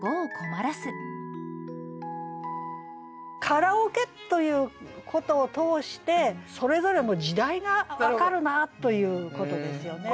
カラオケということを通してそれぞれの時代が分かるなということですよね。